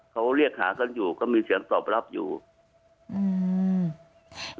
เขาเรียกหากันอยู่ก็มีเสียงตอบรับอยู่อืม